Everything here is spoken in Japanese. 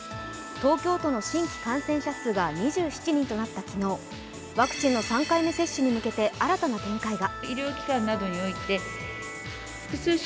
東京都の新規感染者数が２７人となった昨日、ワクチンの３回目接種に向けて新たな展開が。